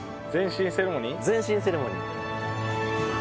前進セレモニー。